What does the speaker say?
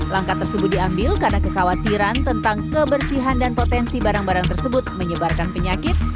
langkah tersebut diambil karena kekhawatiran tentang kebersihan dan potensi barang barang tersebut menyebarkan penyakit